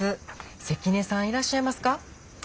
関根さんいらっしゃいますか？